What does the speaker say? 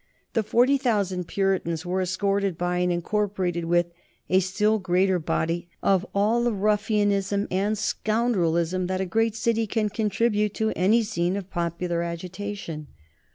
The forty thousand Puritans were escorted by and incorporated with a still greater body of all the ruffianism and scoundrelism that a great city can contribute to any scene of popular agitation.